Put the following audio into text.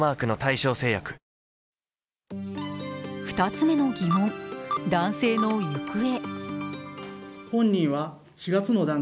２つ目の疑問、男性の行方。